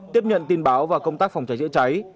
tiếp nhận tin báo và công tác phòng cháy chữa cháy